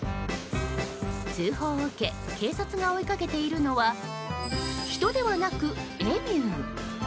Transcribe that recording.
通報を受け警察が追いかけているのは人ではなくエミュー。